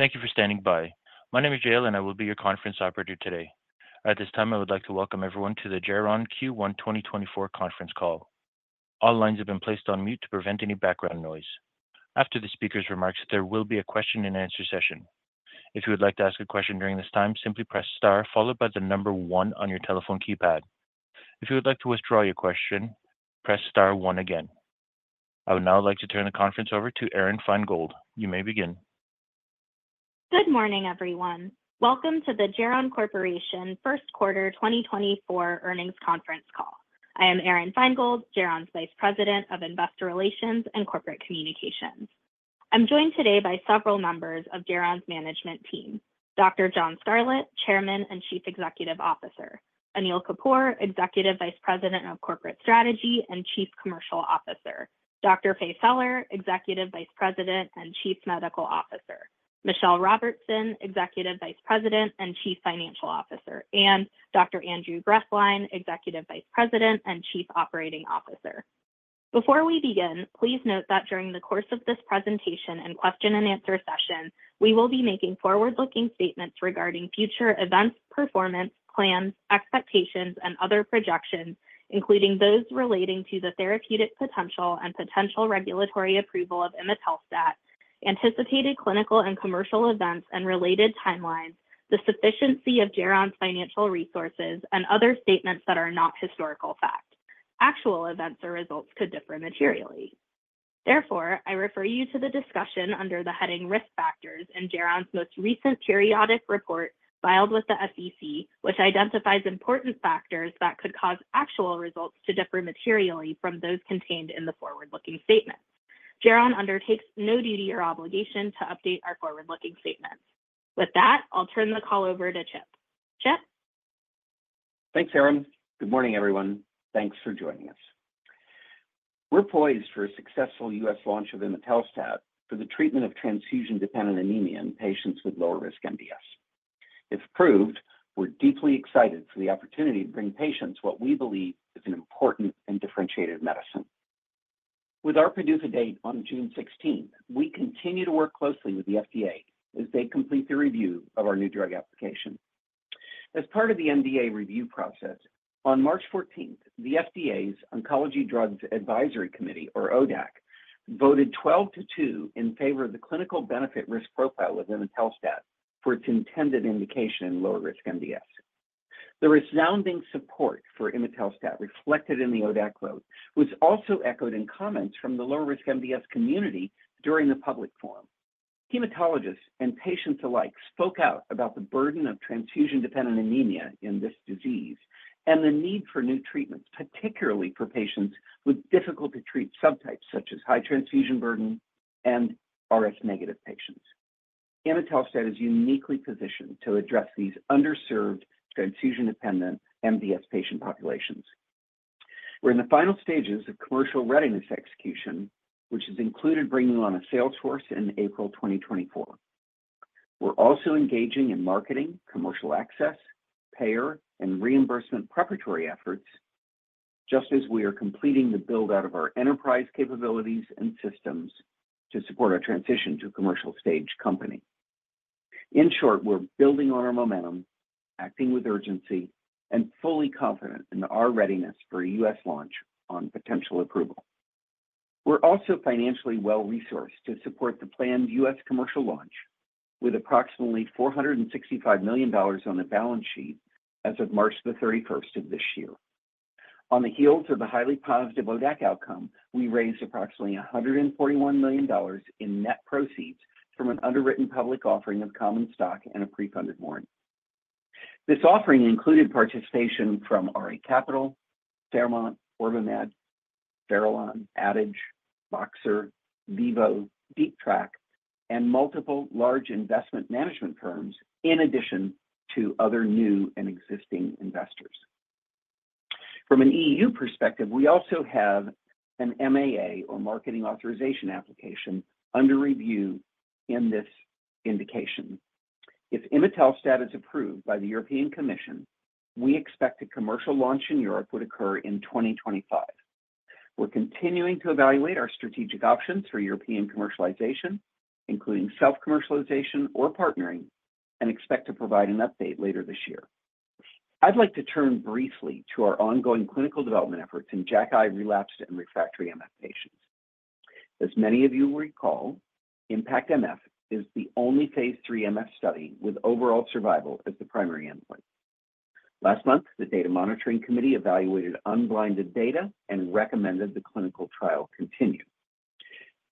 Thank you for standing by. My name is Jaylen, I will be your conference operator today. At this time, I would like to welcome everyone to the Geron Q1 2024 conference call. All lines have been placed on mute to prevent any background noise. After the speaker's remarks, there will be a question-and-answer session. If you would like to ask a question during this time, simply press star followed by the number one on your telephone keypad. If you would like to withdraw your question, press star one again. I would now like to turn the conference over to Aron Feingold. You may begin. Good morning, everyone. Welcome to the Geron Corporation first quarter 2024 earnings conference call. I am Aron Feingold, Geron's Vice President of Investor Relations and Corporate Communications. I'm joined today by several members of Geron's management team: Dr. John Scarlett, Chairman and Chief Executive Officer; Anil Kapur, Executive Vice President of Corporate Strategy and Chief Commercial Officer; Dr. Faye Feller, Executive Vice President and Chief Medical Officer; Michelle Robertson, Executive Vice President and Chief Financial Officer; and Dr. Andrew Grethlein, Executive Vice President and Chief Operating Officer. Before we begin, please note that during the course of this presentation and question-and-answer session, we will be making forward-looking statements regarding future events, performance, plans, expectations, and other projections, including those relating to the therapeutic potential and potential regulatory approval of imetelstat, anticipated clinical and commercial events and related timelines, the sufficiency of Geron's financial resources, and other statements that are not historical fact. Actual events or results could differ materially. Therefore, I refer you to the discussion under the heading Risk Factors in Geron's most recent periodic report filed with the SEC, which identifies important factors that could cause actual results to differ materially from those contained in the forward-looking statements. Geron undertakes no duty or obligation to update our forward-looking statements. With that, I'll turn the call over to Chip. Chip? Thanks, Aron. Good morning, everyone. Thanks for joining us. We're poised for a successful U.S. launch of imetelstat for the treatment of transfusion-dependent anemia in patients with lower-risk MDS. If approved, we're deeply excited for the opportunity to bring patients what we believe is an important and differentiated medicine. With our PDUFA date on June 16th, we continue to work closely with the FDA as they complete their review of our new drug application. As part of the NDA review process, on March 14th, the FDA's Oncology Drugs Advisory Committee, or ODAC, voted 12 to 2 in favor of the clinical benefit risk profile of imetelstat for its intended indication in lower-risk MDS. The resounding support for imetelstat reflected in the ODAC vote was also echoed in comments from the lower-risk MDS community during the public forum. Hematologists and patients alike spoke out about the burden of transfusion-dependent anemia in this disease and the need for new treatments, particularly for patients with difficult-to-treat subtypes such as high transfusion burden and RS-negative patients. imetelstat is uniquely positioned to address these underserved transfusion-dependent MDS patient populations. We're in the final stages of commercial readiness execution, which has included bringing on a sales force in April 2024. We're also engaging in marketing, commercial access, payer, and reimbursement preparatory efforts, just as we are completing the build-out of our enterprise capabilities and systems to support our transition to a commercial stage company. In short, we're building on our momentum, acting with urgency, and fully confident in our readiness for a U.S. launch on potential approval. We're also financially well-resourced to support the planned U.S. commercial launch with approximately $465 million on the balance sheet as of March 31 of this year. On the heels of the highly positive ODAC outcome, we raised approximately $141 million in net proceeds from an underwritten public offering of common stock and a pre-funded warrant. This offering included participation from RA Capital, Fairmount, OrbiMed, Farallon, Adage, Boxer, Vivo, Deep Track, and multiple large investment management firms, in addition to other new and existing investors. From an EU perspective, we also have an MAA or Marketing Authorization Application under review in this indication. If imetelstat is approved by the European Commission, we expect a commercial launch in Europe would occur in 2025. We're continuing to evaluate our strategic options for European commercialization, including self-commercialization or partnering, and expect to provide an update later this year. I'd like to turn briefly to our ongoing clinical development efforts in JAKi relapsed and refractory MF patients. As many of you will recall, IMpactMF is the only Phase 3 MF study with overall survival as the primary endpoint. Last month, the Data Monitoring Committee evaluated unblinded data and recommended the clinical trial continue.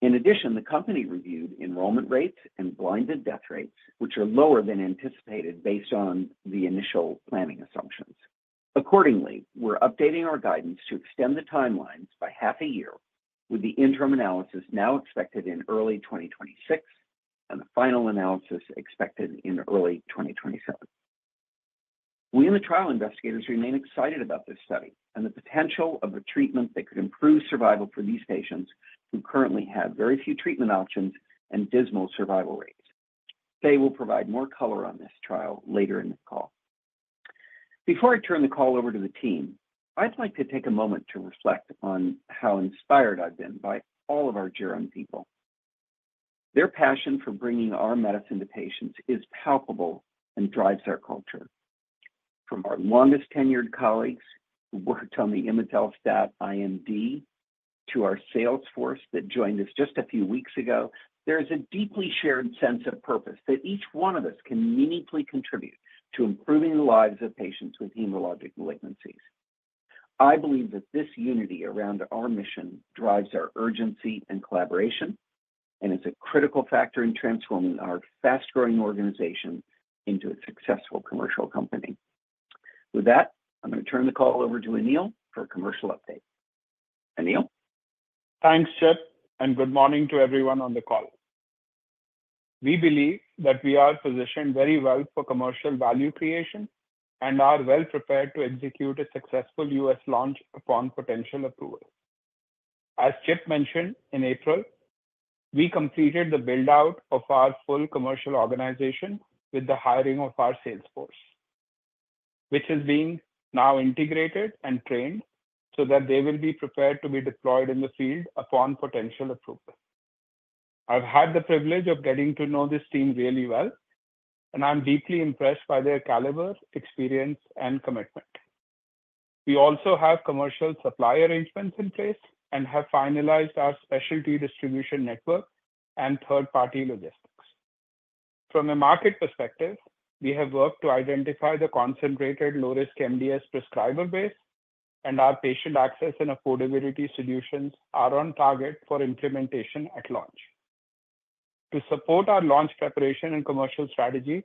In addition, the company reviewed enrollment rates and blinded death rates, which are lower than anticipated based on the initial planning assumptions. Accordingly, we're updating our guidance to extend the timelines by half a year, with the interim analysis now expected in early 2026 and the final analysis expected in early 2027. We and the trial investigators remain excited about this study and the potential of a treatment that could improve survival for these patients who currently have very few treatment options and dismal survival rates. Faye will provide more color on this trial later in the call. Before I turn the call over to the team, I'd like to take a moment to reflect on how inspired I've been by all of our Geron people. Their passion for bringing our medicine to patients is palpable and drives our culture. From our longest-tenured colleagues who worked on the imetelstat IND, to our sales force that joined us just a few weeks ago, there is a deeply shared sense of purpose that each one of us can meaningfully contribute to improving the lives of patients with hematologic malignancies. I believe that this unity around our mission drives our urgency and collaboration, and is a critical factor in transforming our fast-growing organization into a successful commercial company. With that, I'm going to turn the call over to Anil for a commercial update. Anil? Thanks, Chip, and good morning to everyone on the call. We believe that we are positioned very well for commercial value creation and are well prepared to execute a successful U.S. launch upon potential approval. As Chip mentioned, in April, we completed the build-out of our full commercial organization with the hiring of our sales force, which is being now integrated and trained so that they will be prepared to be deployed in the field upon potential approval. I've had the privilege of getting to know this team really well, and I'm deeply impressed by their caliber, experience, and commitment. We also have commercial supply arrangements in place and have finalized our specialty distribution network and third-party logistics. From a market perspective, we have worked to identify the concentrated low-risk MDS prescriber base, and our patient access and affordability solutions are on target for implementation at launch. To support our launch preparation and commercial strategy,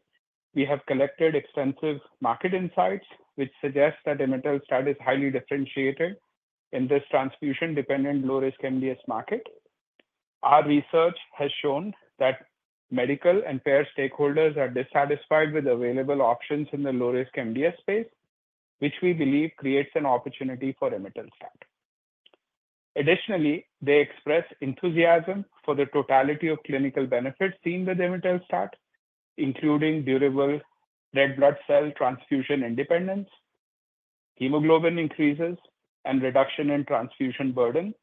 we have collected extensive market insights, which suggest that imetelstat is highly differentiated in this transfusion-dependent, low-risk MDS market. Our research has shown that medical and payer stakeholders are dissatisfied with available options in the low-risk MDS space, which we believe creates an opportunity for imetelstat. Additionally, they express enthusiasm for the totality of clinical benefits seen with imetelstat, including durable red blood cell transfusion independence, hemoglobin increases, and reduction in transfusion burden,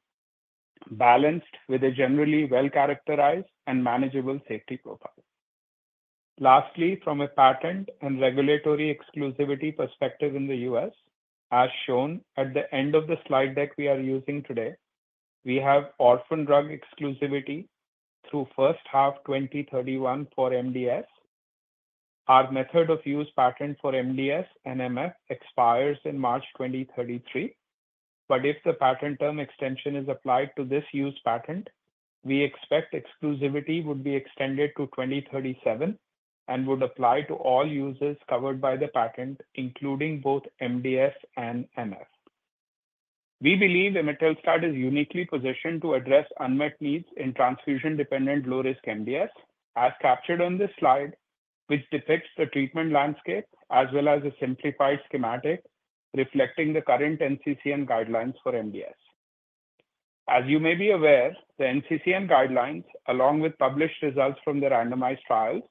balanced with a generally well-characterized and manageable safety profile. Lastly, from a patent and regulatory exclusivity perspective in the U.S., as shown at the end of the slide deck we are using today, we have orphan drug exclusivity through first half 2031 for MDS. Our method of use patent for MDS and MF expires in March 2033, but if the patent term extension is applied to this use patent, we expect exclusivity would be extended to 2037 and would apply to all users covered by the patent, including both MDS and MF. We believe imetelstat is uniquely positioned to address unmet needs in transfusion-dependent, low-risk MDS, as captured on this slide, which depicts the treatment landscape as well as a simplified schematic reflecting the current NCCN guidelines for MDS. As you may be aware, the NCCN guidelines, along with published results from the randomized trials,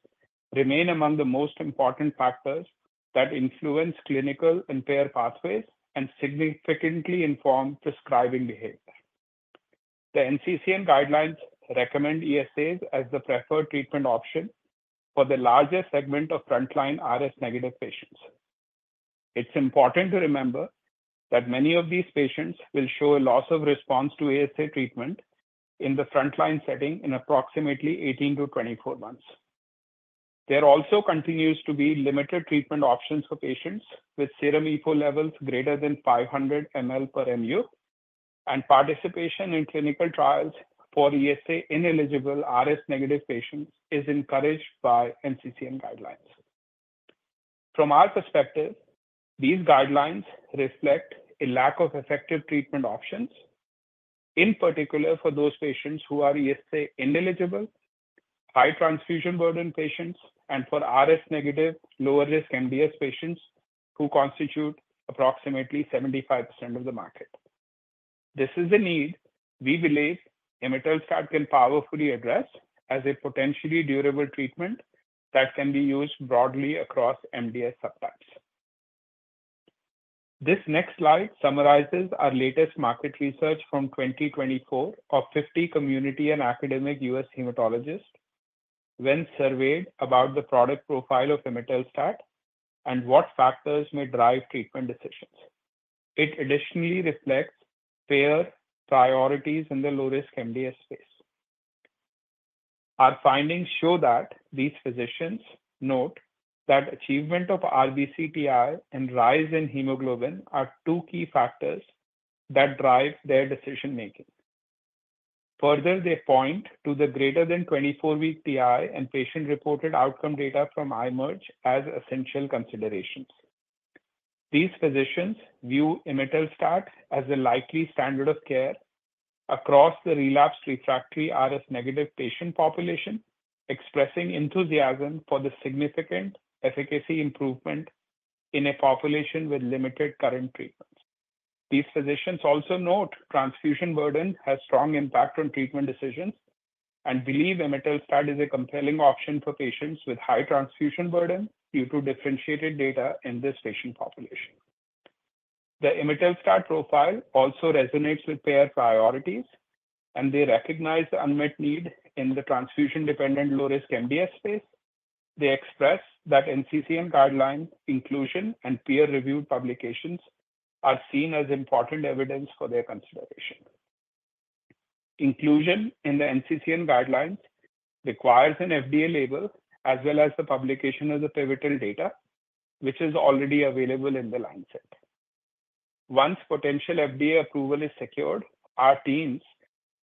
remain among the most important factors that influence clinical and payer pathways and significantly inform prescribing behavior. The NCCN guidelines recommend ESAs as the preferred treatment option for the largest segment of frontline RS-negative patients. It's important to remember that many of these patients will show a loss of response to ESA treatment in the frontline setting in approximately 18-24 months. There also continues to be limited treatment options for patients with serum EPO levels greater than 500 mU/mL, and participation in clinical trials for ESA-ineligible, RS-negative patients is encouraged by NCCN guidelines. From our perspective, these guidelines reflect a lack of effective treatment options, in particular, for those patients who are ESA-ineligible, high transfusion burden patients, and for RS-negative, lower-risk MDS patients who constitute approximately 75% of the market. This is a need we believe imetelstat can powerfully address as a potentially durable treatment that can be used broadly across MDS subtypes. This next slide summarizes our latest market research from 2024 of 50 community and academic U.S. hematologists when surveyed about the product profile of imetelstat and what factors may drive treatment decisions. It additionally reflects payer priorities in the low-risk MDS space. Our findings show that these physicians note that achievement of RBC TI and rise in hemoglobin are two key factors that drive their decision-making. Further, they point to the greater than 24-week TI and patient-reported outcome data from IMerge as essential considerations. These physicians view imetelstat as the likely standard of care across the relapsed/refractory RS-negative patient population, expressing enthusiasm for the significant efficacy improvement in a population with limited current treatments. These physicians also note transfusion burden has strong impact on treatment decisions and believe imetelstat is a compelling option for patients with high transfusion burden due to differentiated data in this patient population. The imetelstat profile also resonates with payer priorities, and they recognize the unmet need in the transfusion-dependent, low-risk MDS space. They express that NCCN guideline inclusion and peer-reviewed publications are seen as important evidence for their consideration. Inclusion in the NCCN guidelines requires an FDA label, as well as the publication of the pivotal data, which is already available in The Lancet. Once potential FDA approval is secured, our teams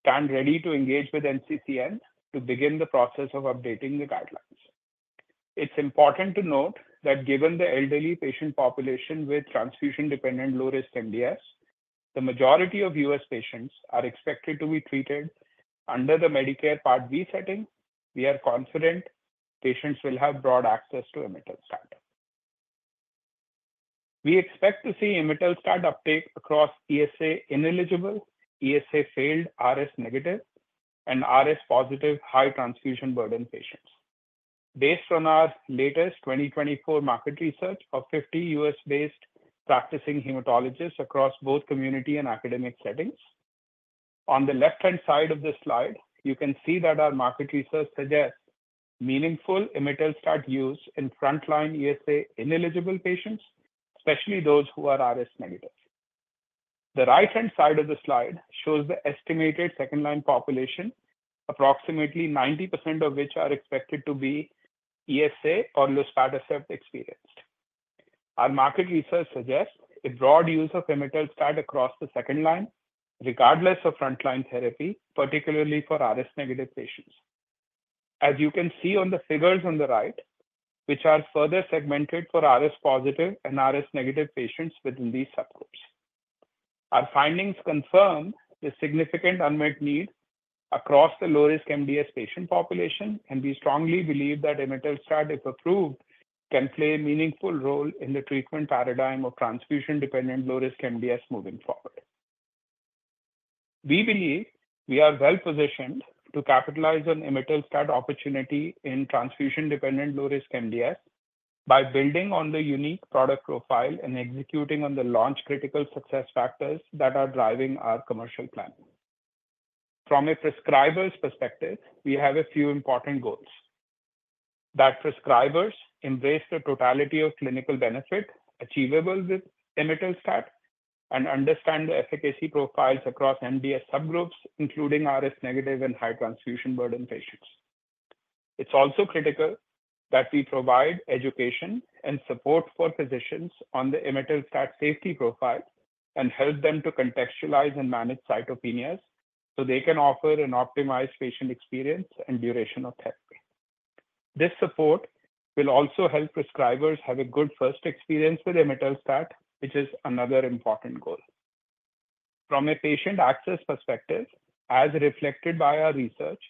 stand ready to engage with NCCN to begin the process of updating the guidelines. It's important to note that given the elderly patient population with transfusion-dependent, low-risk MDS, the majority of U.S. patients are expected to be treated under the Medicare Part B setting. We are confident patients will have broad access to imetelstat. We expect to see imetelstat uptake across ESA-ineligible, ESA-failed, RS-negative, and RS-positive high-transfusion-burden patients. Based on our latest 2024 market research of 50 U.S.-based practicing hematologists across both community and academic settings, on the left-hand side of this slide, you can see that our market research suggests meaningful imetelstat use in frontline ESA-ineligible patients, especially those who are RS-negative. The right-hand side of the slide shows the estimated second-line population, approximately 90% of which are expected to be ESA- or luspatercept-experienced. Our market research suggests a broad use of imetelstat across the second line, regardless of frontline therapy, particularly for RS-negative patients. As you can see on the figures on the right, which are further segmented for RS-positive and RS-negative patients within these subgroups. Our findings confirm the significant unmet need across the low-risk MDS patient population, and we strongly believe that imetelstat, if approved, can play a meaningful role in the treatment paradigm of transfusion-dependent, low-risk MDS moving forward. We believe we are well positioned to capitalize on imetelstat opportunity in transfusion-dependent, low-risk MDS by building on the unique product profile and executing on the launch-critical success factors that are driving our commercial plan. From a prescriber's perspective, we have a few important goals. That prescribers embrace the totality of clinical benefit achievable with imetelstat, and understand the efficacy profiles across MDS subgroups, including RS-negative and high transfusion burden patients. It's also critical that we provide education and support for physicians on the imetelstat safety profile and help them to contextualize and manage cytopenias, so they can offer an optimized patient experience and duration of therapy. This support will also help prescribers have a good first experience with imetelstat, which is another important goal. From a patient access perspective, as reflected by our research,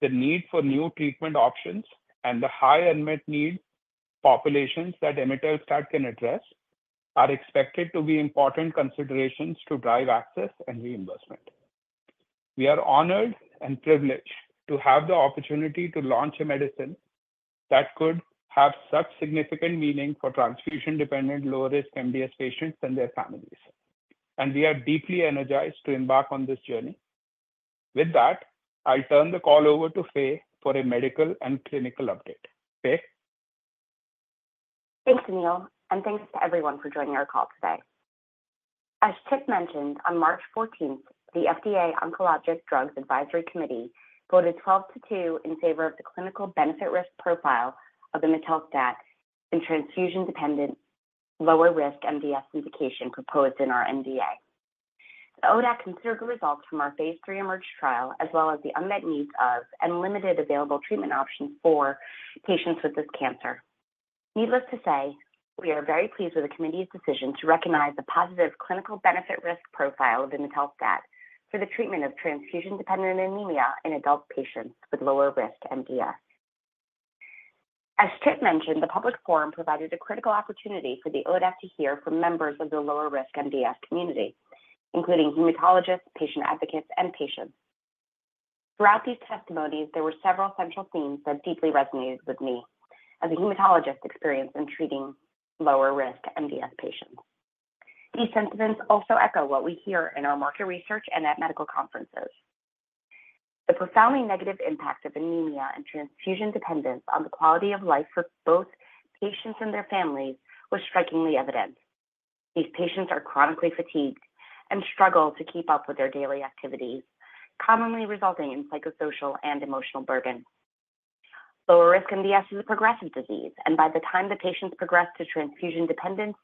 the need for new treatment options and the high unmet need populations that imetelstat can address, are expected to be important considerations to drive access and reimbursement. We are honored and privileged to have the opportunity to launch a medicine that could have such significant meaning for transfusion-dependent, low-risk MDS patients and their families, and we are deeply energized to embark on this journey. With that, I'll turn the call over to Faye for a medical and clinical update. Faye? Thanks, Anil, and thanks to everyone for joining our call today. As Chip mentioned, on March 14th, the FDA Oncology Drugs Advisory Committee voted 12 to 2 in favor of the clinical benefit risk profile of imetelstat in transfusion-dependent, lower-risk MDS indication proposed in our NDA. The ODAC considered the results from our Phase 3 IMerge trial, as well as the unmet needs of and limited available treatment options for patients with this cancer. Needless to say, we are very pleased with the committee's decision to recognize the positive clinical benefit risk profile of imetelstat for the treatment of transfusion-dependent anemia in adult patients with lower-risk MDS. As Chip mentioned, the public forum provided a critical opportunity for the ODAC to hear from members of the lower-risk MDS community, including hematologists, patient advocates, and patients. Throughout these testimonies, there were several central themes that deeply resonated with me as a hematologist experienced in treating lower-risk MDS patients. These sentiments also echo what we hear in our market research and at medical conferences. The profoundly negative impact of anemia and transfusion dependence on the quality of life for both patients and their families was strikingly evident. These patients are chronically fatigued and struggle to keep up with their daily activities, commonly resulting in psychosocial and emotional burden. Lower-risk MDS is a progressive disease, and by the time the patients progress to transfusion dependence,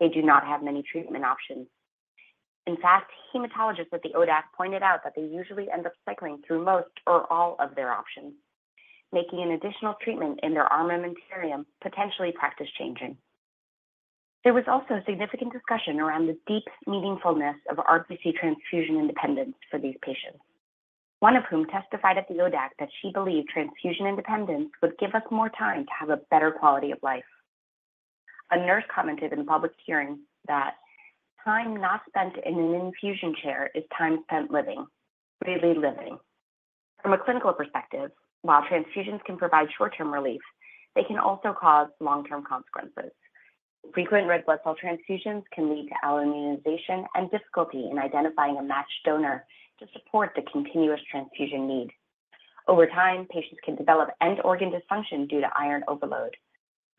they do not have many treatment options. In fact, hematologists at the ODAC pointed out that they usually end up cycling through most or all of their options, making an additional treatment in their armamentarium potentially practice-changing. There was also significant discussion around the deep meaningfulness of RBC transfusion independence for these patients... one of whom testified at the ODAC that she believed transfusion independence would give us more time to have a better quality of life. A nurse commented in the public hearing that time not spent in an infusion chair is time spent living, really living. From a clinical perspective, while transfusions can provide short-term relief, they can also cause long-term consequences. Frequent red blood cell transfusions can lead to alloimmunization and difficulty in identifying a matched donor to support the continuous transfusion need. Over time, patients can develop end organ dysfunction due to iron overload.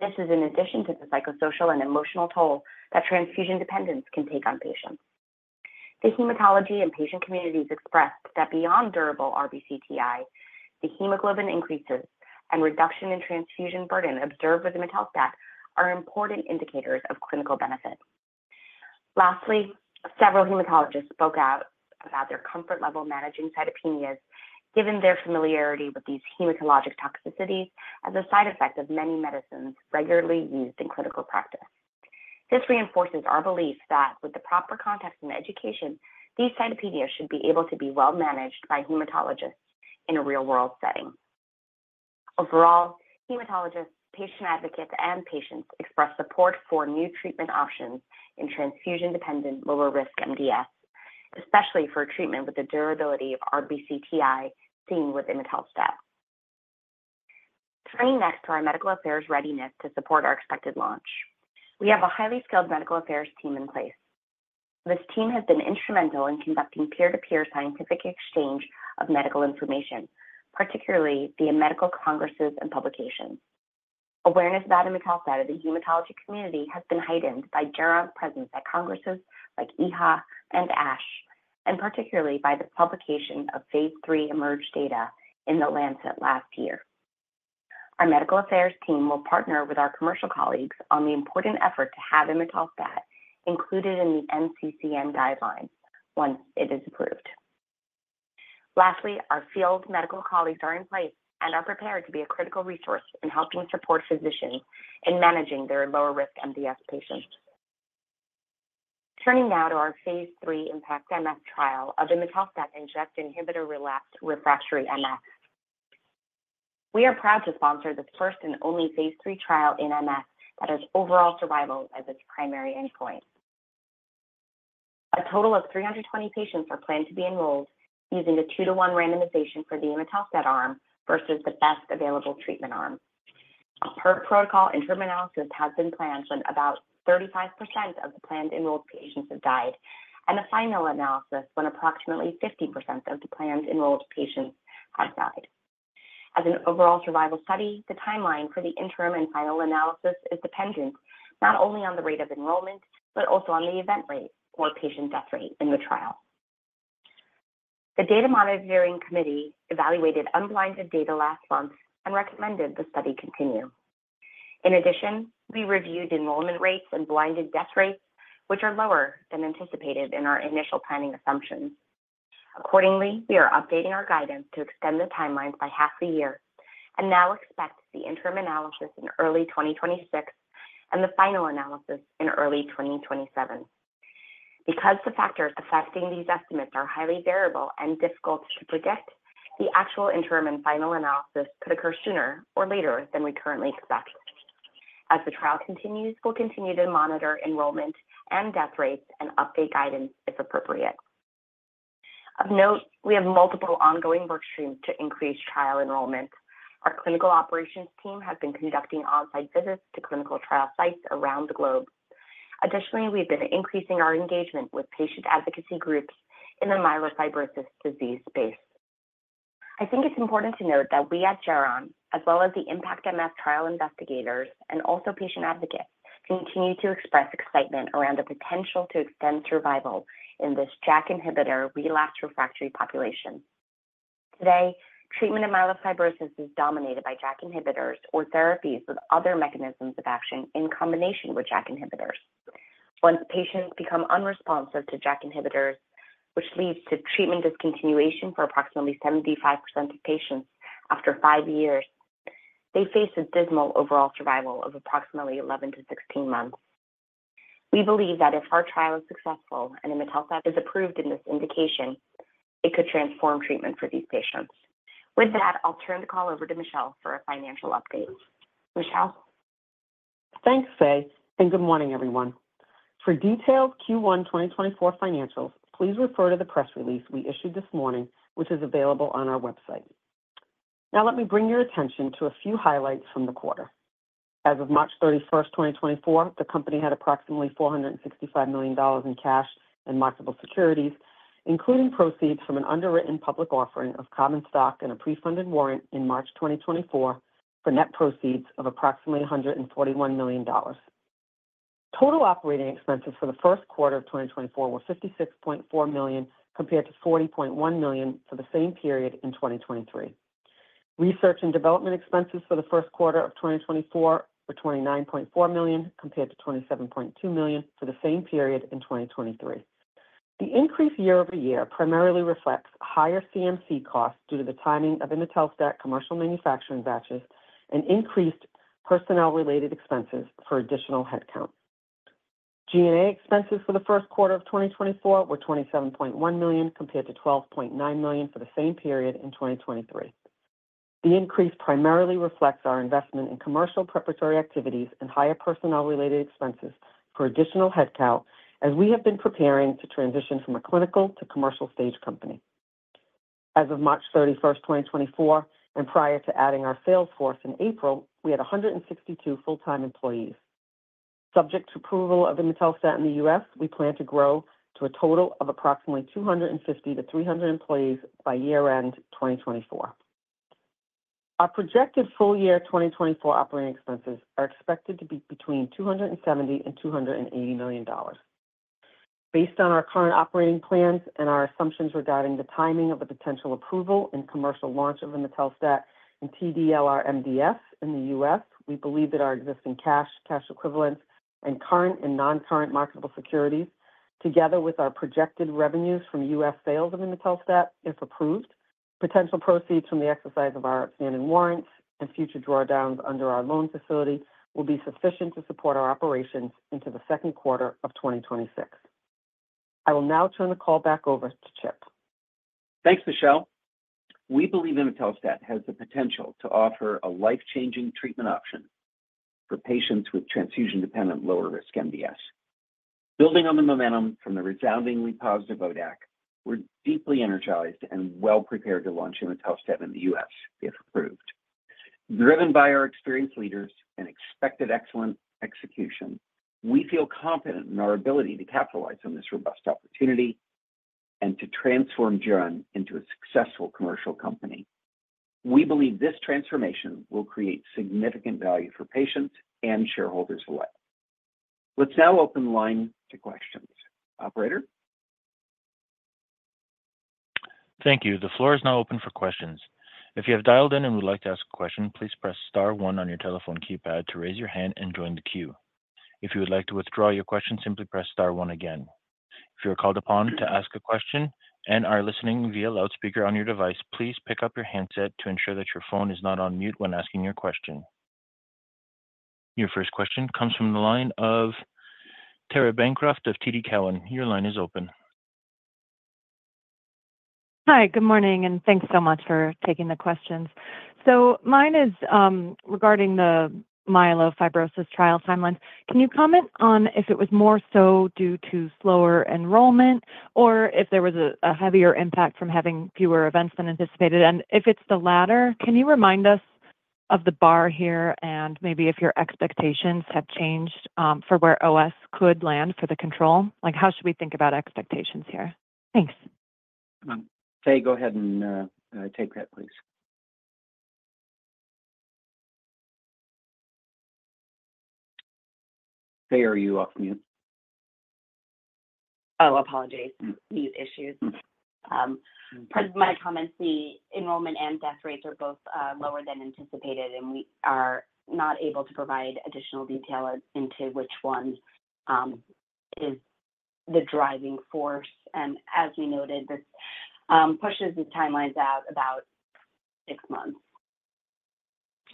This is in addition to the psychosocial and emotional toll that transfusion dependence can take on patients. The hematology and patient communities expressed that beyond durable RBC TI, the hemoglobin increases and reduction in transfusion burden observed with imetelstat are important indicators of clinical benefit. Lastly, several hematologists spoke out about their comfort level managing cytopenias, given their familiarity with these hematologic toxicities as a side effect of many medicines regularly used in clinical practice. This reinforces our belief that with the proper context and education, these cytopenias should be able to be well managed by hematologists in a real-world setting. Overall, hematologists, patient advocates, and patients expressed support for new treatment options in transfusion-dependent, lower-risk MDS, especially for treatment with the durability of RBC TI seen with imetelstat. Turning next to our medical affairs readiness to support our expected launch. We have a highly skilled medical affairs team in place. This team has been instrumental in conducting peer-to-peer scientific exchange of medical information, particularly via medical congresses and publications. Awareness about imetelstat in the hematology community has been heightened by Geron's presence at congresses like EHA and ASH, and particularly by the publication of Phase 3 IMerge data in The Lancet last year. Our medical affairs team will partner with our commercial colleagues on the important effort to have imetelstat included in the NCCN guidelines once it is approved. Lastly, our field medical colleagues are in place and are prepared to be a critical resource in helping support physicians in managing their lower-risk MDS patients. Turning now to our Phase 3 IMpactMF trial of imetelstat in JAK inhibitor relapsed/refractory MF. We are proud to sponsor the first and only Phase 3 trial in MF that has overall survival as its primary endpoint. A total of 320 patients are planned to be enrolled using a 2:1 randomization for the imetelstat arm versus the best available treatment arm. A per-protocol interim analysis has been planned when about 35% of the planned enrolled patients have died, and a final analysis when approximately 50% of the planned enrolled patients have died. As an overall survival study, the timeline for the interim and final analysis is dependent not only on the rate of enrollment, but also on the event rate or patient death rate in the trial. The Data Monitoring Committee evaluated unblinded data last month and recommended the study continue. In addition, we reviewed enrollment rates and blinded death rates, which are lower than anticipated in our initial planning assumptions. Accordingly, we are updating our guidance to extend the timelines by half a year and now expect the interim analysis in early 2026 and the final analysis in early 2027. Because the factors affecting these estimates are highly variable and difficult to predict, the actual interim and final analysis could occur sooner or later than we currently expect. As the trial continues, we'll continue to monitor enrollment and death rates and update guidance, if appropriate. Of note, we have multiple ongoing work streams to increase trial enrollment. Our clinical operations team has been conducting on-site visits to clinical trial sites around the globe. Additionally, we've been increasing our engagement with patient advocacy groups in the myelofibrosis disease space. I think it's important to note that we at Geron, as well as the IMpactMF trial investigators and also patient advocates, continue to express excitement around the potential to extend survival in this JAK inhibitor relapsed/refractory population. Today, treatment of myelofibrosis is dominated by JAK inhibitors or therapies with other mechanisms of action in combination with JAK inhibitors. Once patients become unresponsive to JAK inhibitors, which leads to treatment discontinuation for approximately 75% of patients after five years, they face a dismal overall survival of approximately 11-16 months. We believe that if our trial is successful and imetelstat is approved in this indication, it could transform treatment for these patients. With that, I'll turn the call over to Michelle for a financial update. Michelle? Thanks, Faye, and good morning, everyone. For detailed Q1 2024 financials, please refer to the press release we issued this morning, which is available on our website. Now let me bring your attention to a few highlights from the quarter. As of March 31, 2024, the company had approximately $465 million in cash and marketable securities, including proceeds from an underwritten public offering of common stock and a pre-funded warrant in March 2024 for net proceeds of approximately $141 million. Total operating expenses for the first quarter of 2024 were $56.4 million, compared to $40.1 million for the same period in 2023. Research and development expenses for the first quarter of 2024 were $29.4 million, compared to $27.2 million for the same period in 2023. The increase year-over-year primarily reflects higher CMC costs due to the timing of imetelstat commercial manufacturing batches and increased personnel-related expenses for additional headcount.... G&A expenses for the first quarter of 2024 were $27.1 million, compared to $12.9 million for the same period in 2023. The increase primarily reflects our investment in commercial preparatory activities and higher personnel-related expenses for additional headcount, as we have been preparing to transition from a clinical to commercial stage company. As of March 31, 2024, and prior to adding our sales force in April, we had 162 full-time employees. Subject to approval of imetelstat in the U.S., we plan to grow to a total of approximately 250-300 employees by year-end 2024. Our projected full year 2024 operating expenses are expected to be between $270 million and $280 million. Based on our current operating plans and our assumptions regarding the timing of a potential approval and commercial launch of imetelstat in TDL-MDS in the U.S., we believe that our existing cash, cash equivalents, and current and non-current marketable securities, together with our projected revenues from U.S. sales of imetelstat, if approved, potential proceeds from the exercise of our outstanding warrants and future drawdowns under our loan facility, will be sufficient to support our operations into the second quarter of 2026. I will now turn the call back over to Chip. Thanks, Michelle. We believe imetelstat has the potential to offer a life-changing treatment option for patients with transfusion-dependent, lower-risk MDS. Building on the momentum from the resoundingly positive ODAC, we're deeply energized and well prepared to launch imetelstat in the U.S., if approved. Driven by our experienced leaders and expected excellent execution, we feel confident in our ability to capitalize on this robust opportunity and to transform Geron into a successful commercial company. We believe this transformation will create significant value for patients and shareholders alike. Let's now open the line to questions. Operator? Thank you. The floor is now open for questions. If you have dialed in and would like to ask a question, please press star one on your telephone keypad to raise your hand and join the queue. If you would like to withdraw your question, simply press star one again. If you are called upon to ask a question and are listening via loudspeaker on your device, please pick up your handset to ensure that your phone is not on mute when asking your question. Your first question comes from the line of Tara Bancroft of TD Cowen. Your line is open. Hi, good morning, and thanks so much for taking the questions. So mine is, regarding the myelofibrosis trial timelines. Can you comment on if it was more so due to slower enrollment or if there was a heavier impact from having fewer events than anticipated? And if it's the latter, can you remind us of the bar here, and maybe if your expectations have changed, for where OS could land for the control? Like, how should we think about expectations here? Thanks. Faye, go ahead and take that, please. Faye, are you off mute? Oh, apologies. Mute issues. Per my comments, the enrollment and death rates are both lower than anticipated, and we are not able to provide additional detail as to which one is the driving force. As we noted, this pushes the timelines out about six months.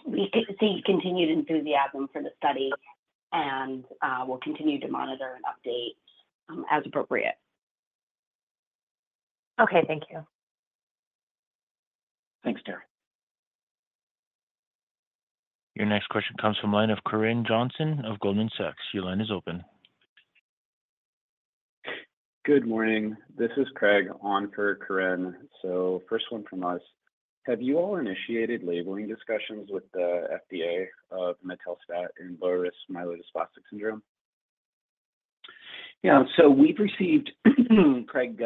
We continue to see continued enthusiasm for the study and we'll continue to monitor and update as appropriate. Okay. Thank you. Thanks, Tara. Your next question comes from the line of Corinne Jenkins of Goldman Sachs. Your line is open. Good morning. This is Graig on for Corinne. So first one from us, have you all initiated labeling discussions with the FDA of imetelstat in low-risk myelodysplastic syndrome? Yeah. So we've received, Graig,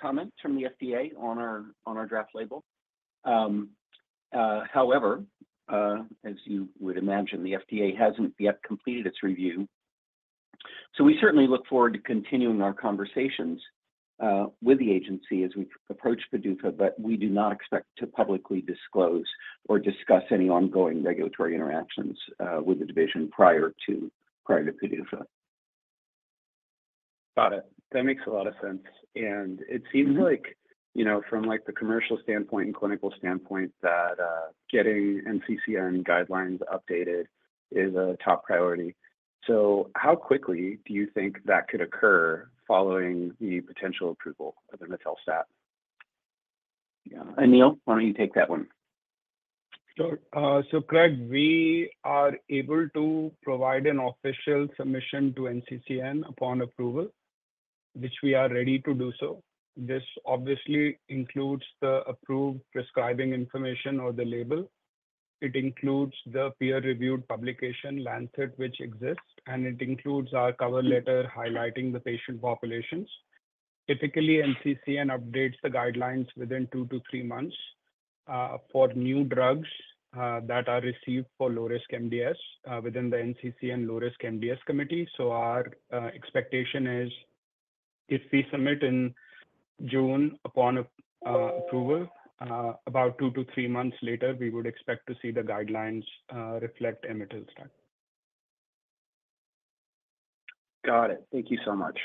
comments from the FDA on our draft label. As you would imagine, the FDA hasn't yet completed its review. So we certainly look forward to continuing our conversations with the agency as we approach PDUFA, but we do not expect to publicly disclose or discuss any ongoing regulatory interactions with the division prior to PDUFA. Got it. That makes a lot of sense. And it seems- Mm-hmm... like, you know, from, like, the commercial standpoint and clinical standpoint, that getting NCCN guidelines updated is a top priority. So how quickly do you think that could occur following the potential approval of imetelstat? Yeah. Anil, why don't you take that one? Sure. So Graig, we are able to provide an official submission to NCCN upon approval, which we are ready to do so. This obviously includes the approved prescribing information or the label. It includes the peer-reviewed publication, Lancet, which exists, and it includes our cover letter highlighting the patient populations. Typically, NCCN updates the guidelines within two to three months for new drugs that are received for low-risk MDS within the NCCN low-risk MDS committee. So our expectation is, if we submit in June, upon approval, about two to three months later, we would expect to see the guidelines reflect imetelstat. Got it. Thank you so much....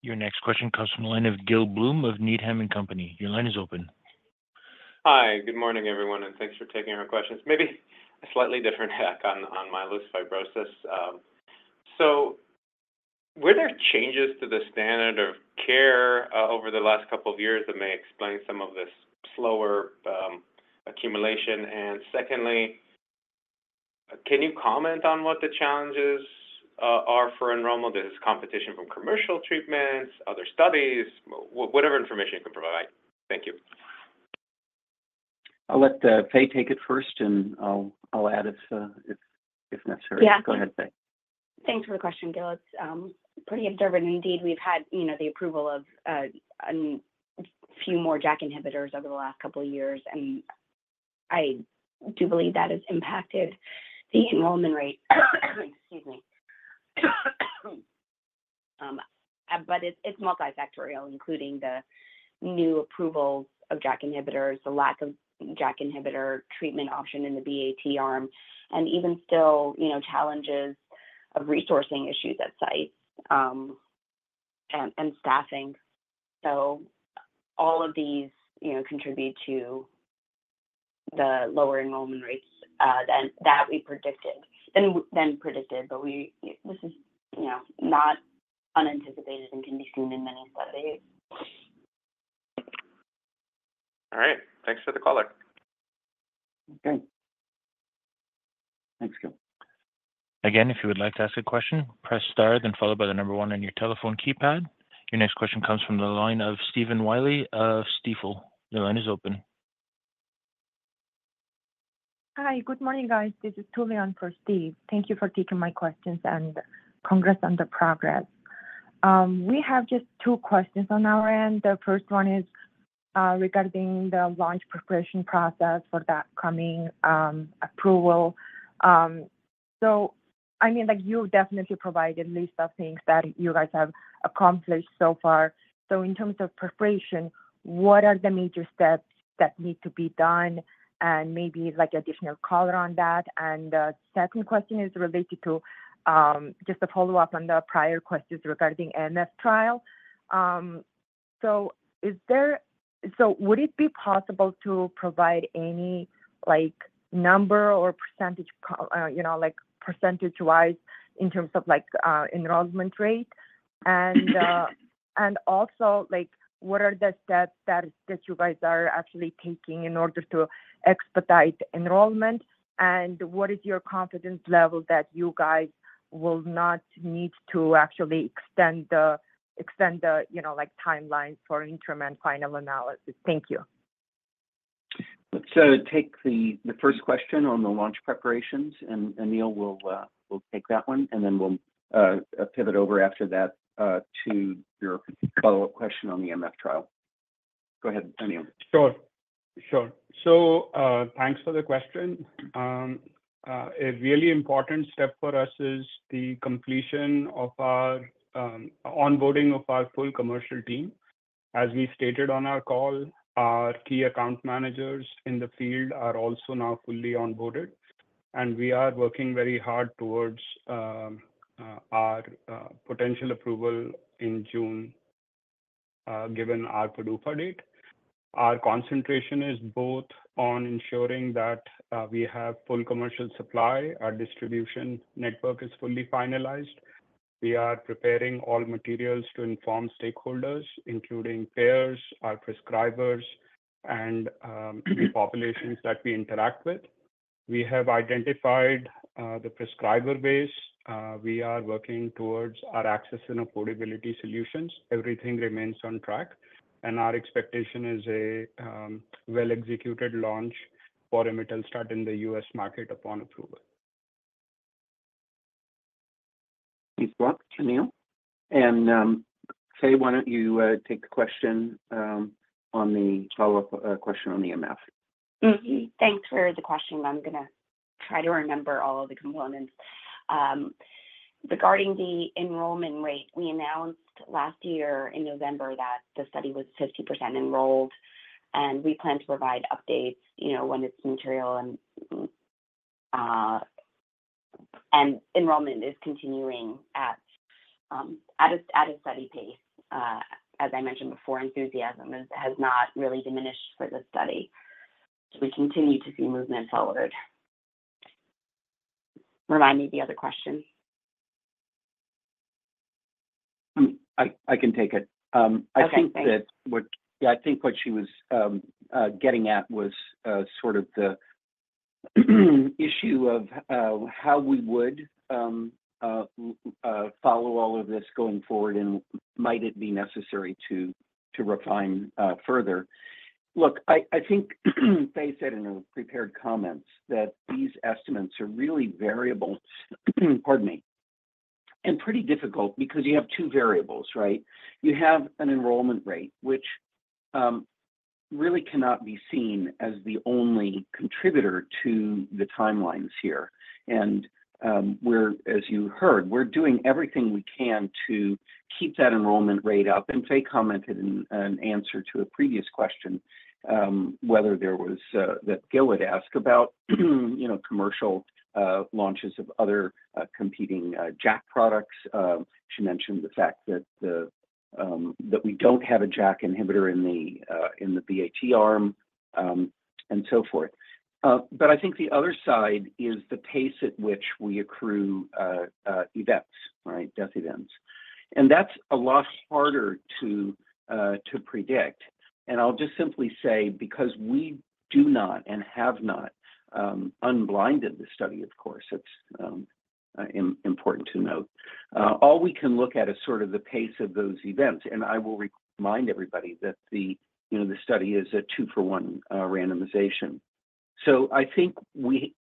Your next question comes from the line of Gil Blum of Needham & Company. Your line is open. Hi. Good morning, everyone, and thanks for taking our questions. Maybe a slightly different tack on myelofibrosis. So were there changes to the standard of care over the last couple of years that may explain some of this slower accumulation? And secondly, can you comment on what the challenges are for enrollment? Is it competition from commercial treatments, other studies? Whatever information you can provide. Thank you. I'll let Faye take it first, and I'll add if necessary. Yeah. Go ahead, Faye. Thanks for the question, Gil. It's pretty observant indeed. We've had, you know, the approval of a few more JAK inhibitors over the last couple of years, and I do believe that has impacted the enrollment rate. Excuse me. But it's multifactorial, including the new approvals of JAK inhibitors, the lack of JAK inhibitor treatment option in the BAT arm, and even still, you know, challenges of resourcing issues at sites, and staffing. So all of these, you know, contribute to the lower enrollment rates than that we predicted, than predicted. But we, this is, you know, not unanticipated and can be seen in many studies. All right. Thanks for the call. Okay. Thanks, Gil. Again, if you would like to ask a question, press star, then followed by the number one on your telephone keypad. Your next question comes from the line of Stephen Willey of Stifel. Your line is open. Hi, good morning, guys. This is Tuuli for Steve. Thank you for taking my questions and congrats on the progress. We have just two questions on our end. The first one is regarding the launch preparation process for the upcoming approval. So I mean, like, you definitely provided a list of things that you guys have accomplished so far. So in terms of preparation, what are the major steps that need to be done and maybe, like, additional color on that? And the second question is related to just a follow-up on the prior questions regarding MF trial. So would it be possible to provide any, like, number or percentage, you know, like, percentage-wise in terms of, like, enrollment rate? And, and also, like, what are the steps that you guys are actually taking in order to expedite enrollment? And what is your confidence level that you guys will not need to actually extend the, you know, like, timeline for interim and final analysis? Thank you. Let's take the first question on the launch preparations, and Anil will take that one, and then we'll pivot over after that to your follow-up question on the MF trial. Go ahead, Anil. Sure. Sure. So, thanks for the question. A really important step for us is the completion of our onboarding of our full commercial team. As we stated on our call, our key account managers in the field are also now fully onboarded, and we are working very hard towards our potential approval in June, given our PDUFA date. Our concentration is both on ensuring that we have full commercial supply, our distribution network is fully finalized. We are preparing all materials to inform stakeholders, including payers, our prescribers, and the populations that we interact with. We have identified the prescriber base. We are working towards our access and affordability solutions. Everything remains on track, and our expectation is a well-executed launch for imetelstat in the U.S. market upon approval. Thanks a lot, Anil. Faye, why don't you take the question on the follow-up question on the MF? Mm-hmm. Thanks for the question. I'm gonna try to remember all of the components. Regarding the enrollment rate, we announced last year in November that the study was 50% enrolled, and we plan to provide updates, you know, when it's material. And enrollment is continuing at a steady pace. As I mentioned before, enthusiasm has not really diminished for this study. So we continue to see movement forward. Remind me of the other question. I can take it. I think- Okay, thanks. Yeah, I think what she was getting at was sort of the issue of how we would follow all of this going forward, and might it be necessary to refine further. Look, I think Faye said in her prepared comments that these estimates are really variable, pardon me, and pretty difficult because you have two variables, right? You have an enrollment rate, which really cannot be seen as the only contributor to the timelines here. And we're, as you heard, doing everything we can to keep that enrollment rate up. And Faye commented in an answer to a previous question whether there was that Gil had asked about, you know, commercial launches of other competing JAK products. She mentioned the fact that we don't have a JAK inhibitor in the BAT arm, and so forth. But I think the other side is the pace at which we accrue events, right, death events. And that's a lot harder to predict. And I'll just simply say, because we do not and have not unblinded the study, of course, it's important to note. All we can look at is sort of the pace of those events, and I will remind everybody that the, you know, the study is a 2-for-1 randomization. So I think we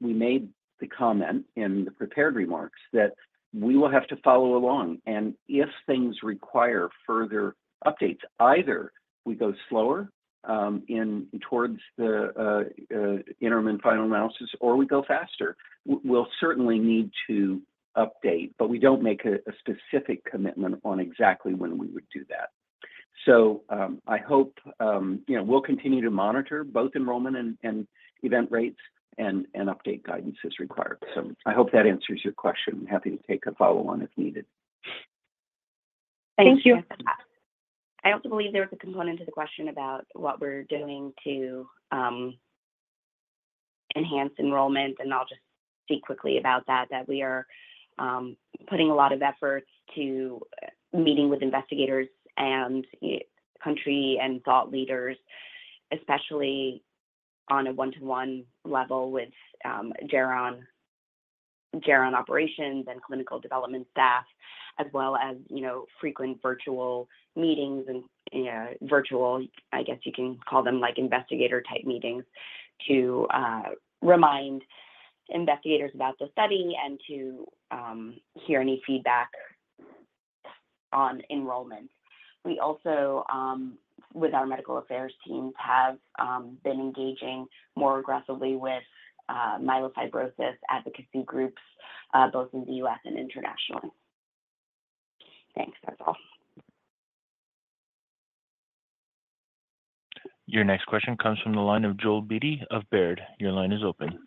made the comment in the prepared remarks that we will have to follow along, and if things require further updates, either we go slower in towards the interim and final analysis, or we go faster. We'll certainly need to update, but we don't make a specific commitment on exactly when we would do that. So, I hope you know, we'll continue to monitor both enrollment and event rates and update guidance as required. So I hope that answers your question. Happy to take a follow-on if needed. Thank you. Thank you. I also believe there was a component to the question about what we're doing to enhance enrollment, and I'll just speak quickly about that, that we are putting a lot of efforts to meeting with investigators and country and thought leaders, especially on a one-to-one level with Geron operations and clinical development staff, as well as, you know, frequent virtual meetings and virtual, I guess you can call them, like, investigator-type meetings, to remind investigators about the study and to hear any feedback on enrollment. We also, with our medical affairs teams, have been engaging more aggressively with myelofibrosis advocacy groups, both in the U.S. and internationally. Thanks, that's all. Your next question comes from the line of Joel Beatty of Baird. Your line is open.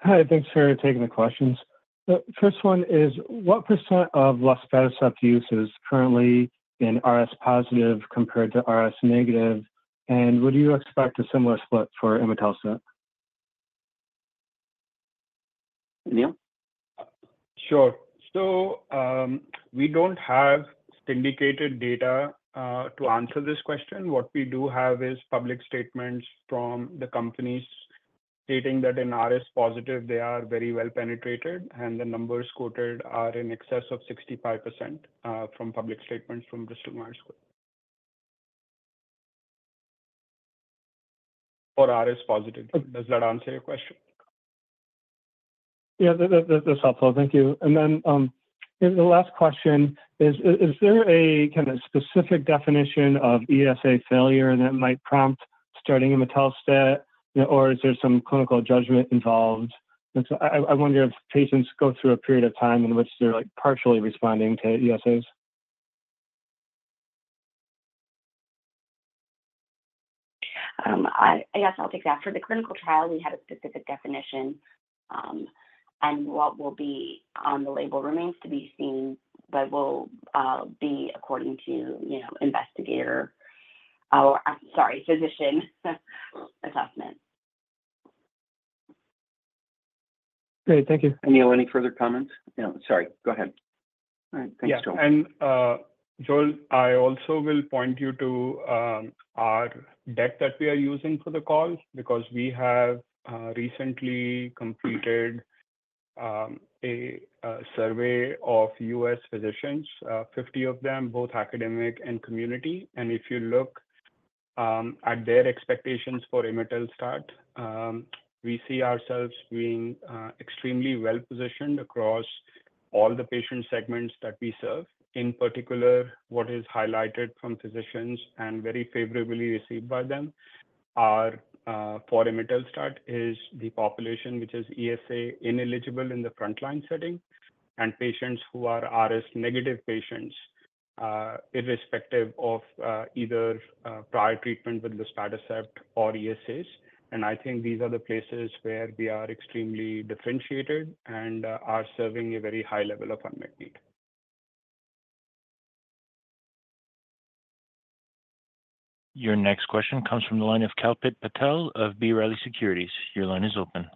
Hi, thanks for taking the questions. The first one is, what % of luspatercept use is currently in RS-positive compared to RS-negative? And would you expect a similar split for imetelstat? Anil? Sure. So, we don't have syndicated data to answer this question. What we do have is public statements from the companies stating that in RS-positive, they are very well penetrated, and the numbers quoted are in excess of 65%, from public statements from Bristol-Myers Squibb. For RS-positive. Does that answer your question? Yeah, that's helpful. Thank you. And then the last question is, is there a kind of specific definition of ESA failure that might prompt starting imetelstat, or is there some clinical judgment involved? And so I wonder if patients go through a period of time in which they're, like, partially responding to ESAs. I guess I'll take that. For the clinical trial, we had a specific definition, and what will be on the label remains to be seen, but will be according to, you know, investigator or, sorry, physician assessment. Great, thank you. Neil, any further comments? Yeah, sorry, go ahead. All right. Thanks, Joel. Yeah, and, Joel, I also will point you to, our deck that we are using for the call, because we have, recently completed, a survey of U.S. physicians, 50 of them, both academic and community. And if you look, at their expectations for imetelstat, we see ourselves being, extremely well-positioned across all the patient segments that we serve. In particular, what is highlighted from physicians and very favorably received by them are, for imetelstat, is the population, which is ESA-ineligible in the frontline setting, and patients who are RS-negative patients, irrespective of, either, prior treatment with luspatercept or ESAs. And I think these are the places where we are extremely differentiated and, are serving a very high level of unmet need. Your next question comes from the line of Kalpit Patel of B. Riley Securities. Your line is open.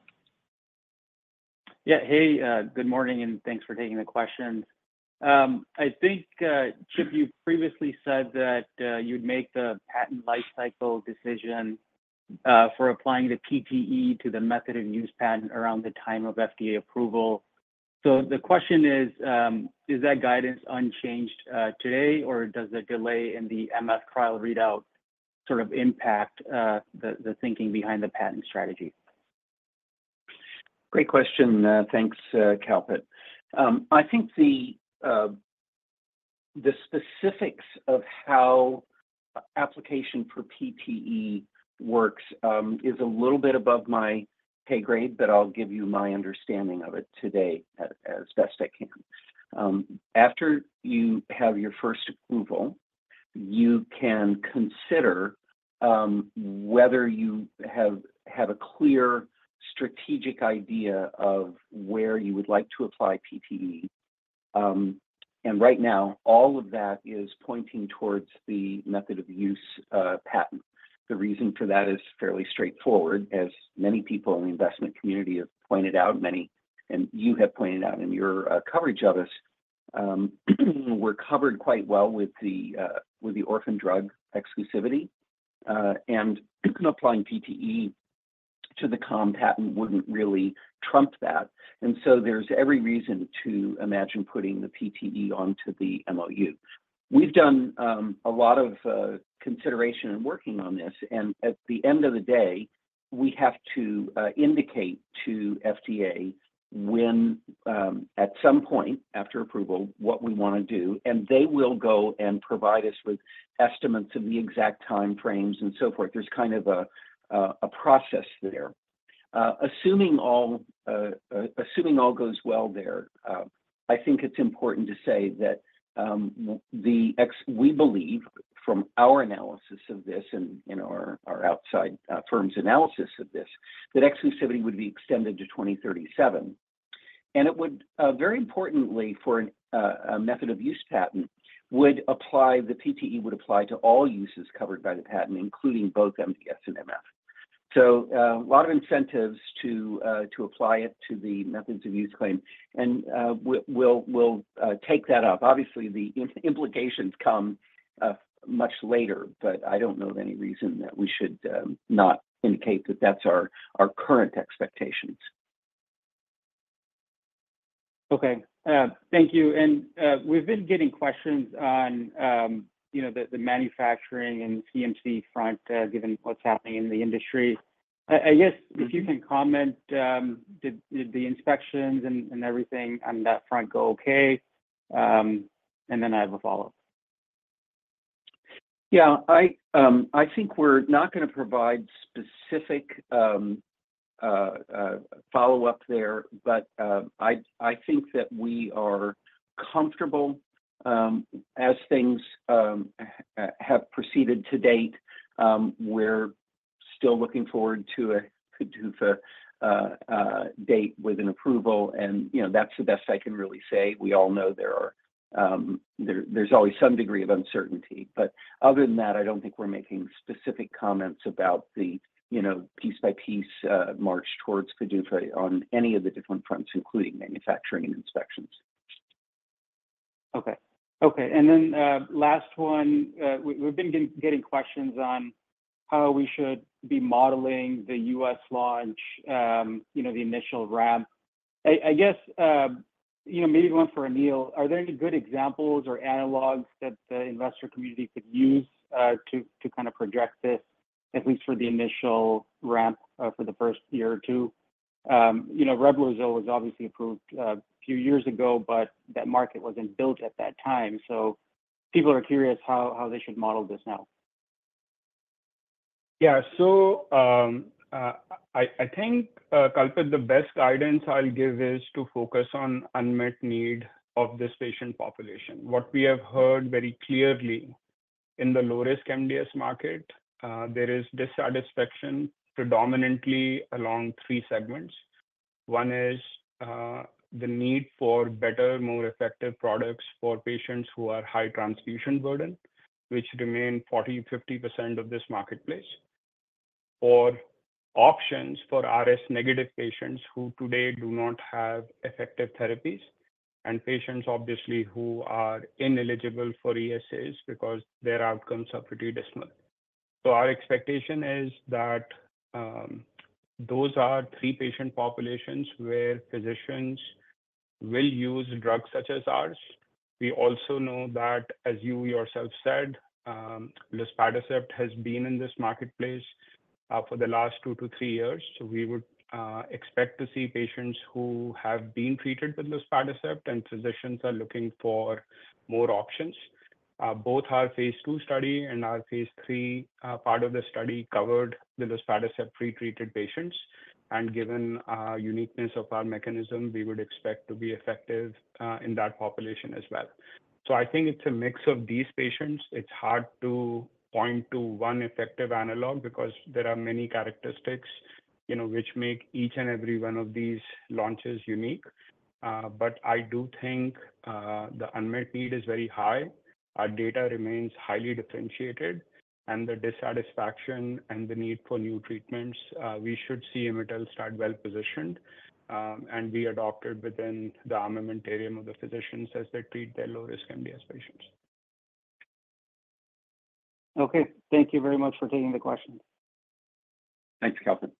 Yeah. Hey, good morning, and thanks for taking the questions. I think, Chip, you previously said that you'd make the patent lifecycle decision for applying the PTE to the method and use patent around the time of FDA approval. So the question is, is that guidance unchanged today, or does the delay in the MF trial readout sort of impact the thinking behind the patent strategy? Great question. Thanks, Kalpit. I think the specifics of how application for PTE works is a little bit above my pay grade, but I'll give you my understanding of it today as best I can. After you have your first approval, you can consider whether you have a clear strategic idea of where you would like to apply PTE. And right now, all of that is pointing towards the method of use patent. The reason for that is fairly straightforward. As many people in the investment community have pointed out, and you have pointed out in your coverage of us, we're covered quite well with the orphan drug exclusivity. And applying PTE to the COM patent wouldn't really trump that. And so there's every reason to imagine putting the PTE onto the MOU. We've done a lot of consideration and working on this, and at the end of the day, we have to indicate to FDA when, at some point after approval, what we wanna do, and they will go and provide us with estimates of the exact time frames and so forth. There's kind of a process there. Assuming all goes well there, I think it's important to say that we believe from our analysis of this and our outside firm's analysis of this, that exclusivity would be extended to 2037. And it would, very importantly, for an, a method of use patent, would apply, the PTE would apply to all uses covered by the patent, including both MDS and MF. So, a lot of incentives to, to apply it to the method-of-use claim, and, we'll take that up. Obviously, the implications come, much later, but I don't know of any reason that we should, not indicate that that's our, our current expectations. Okay. Thank you. And we've been getting questions on, you know, the manufacturing and CMC front, given what's happening in the industry. I guess if you can comment, did the inspections and everything on that front go okay? And then I have a follow-up. Yeah, I think we're not gonna provide specific follow-up there, but I think that we are comfortable as things have proceeded to date. We're still looking forward to a PDUFA date with an approval, and you know, that's the best I can really say. We all know there's always some degree of uncertainty. But other than that, I don't think we're making specific comments about the, you know, piece-by-piece march towards PDUFA on any of the different fronts, including manufacturing and inspections. Okay. Okay, and then, last one. We've been getting questions on how we should be modeling the U.S. launch, you know, the initial ramp. I guess, you know, maybe one for Anil. Are there any good examples or analogs that the investor community could use, to kind of project this, at least for the initial ramp, for the first year or two? You know, Revlimid was obviously approved a few years ago, but that market wasn't built at that time, so people are curious how they should model this now. Yeah. So, I think, Kalpit, the best guidance I'll give is to focus on unmet need of this patient population. What we have heard very clearly in the low-risk MDS market, there is dissatisfaction predominantly along three segments. One is, the need for better, more effective products for patients who are high transfusion burden, which remain 40%-50% of this marketplace. Or options for RS-negative patients who today do not have effective therapies, and patients, obviously, who are ineligible for ESAs because their outcomes are pretty dismal. So our expectation is that, those are three patient populations where physicians will use drugs such as ours. We also know that, as you yourself said, luspatercept has been in this marketplace for the last 2-3 years, so we would expect to see patients who have been treated with luspatercept, and physicians are looking for more options. Both our phase 2 study and our Phase 3 part of the study covered the luspatercept-pretreated patients, and given our uniqueness of our mechanism, we would expect to be effective in that population as well. So I think it's a mix of these patients. It's hard to point to one effective analog because there are many characteristics, you know, which make each and every one of these launches unique. But I do think the unmet need is very high. Our data remains highly differentiated, and the dissatisfaction and the need for new treatments, we should see imetelstat well positioned, and be adopted within the armamentarium of the physicians as they treat their low-risk MDS patients. Okay, thank you very much for taking the questions. Thanks, Kalpit.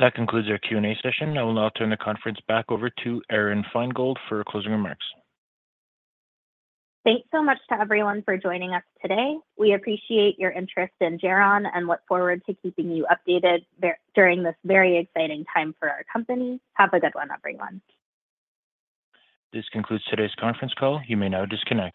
That concludes our Q&A session. I will now turn the conference back over to Aron Feingold for closing remarks. Thanks so much to everyone for joining us today. We appreciate your interest in Geron and look forward to keeping you updated during this very exciting time for our company. Have a good one, everyone. This concludes today's conference call. You may now disconnect.